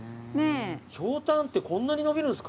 ヒョウタンってこんなに伸びるんですか？